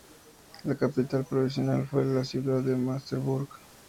La capital provincial fue la ciudad de Merseburg.